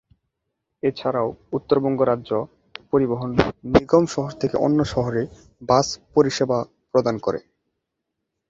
এছাড়াও উত্তরবঙ্গ রাজ্য পরিবহন নিগম শহর থকে অন্য শহরে বাস পরিসেবা প্রদান করে।